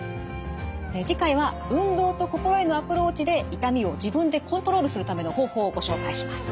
次回は運動と心へのアプローチで痛みを自分でコントロールするための方法をご紹介します。